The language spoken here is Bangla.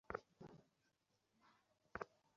তোর পা সরা।